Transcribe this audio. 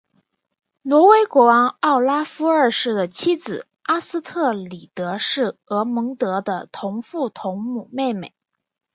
挪威国王奥拉夫二世的妻子阿斯特里德是厄蒙德的同父同母妹妹。